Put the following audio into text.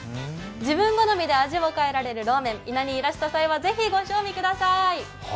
自分好みで味を変えられるローメン伊那にいらした際はぜひ、ご賞味ください。